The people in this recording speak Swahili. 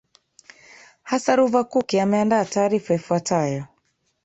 hasa ruva kuki ameandaa taarifa ifuatayo